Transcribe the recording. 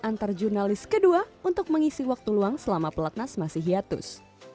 antar jurnalis kedua untuk mengisi waktu luang selama pelatnas masih hiatus